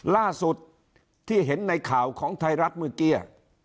ล่าสุดที่เห็นในข่าวของไทยรัฐเมื่อกี้